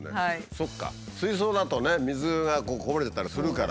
そっか水槽だとね水がこぼれたりするから。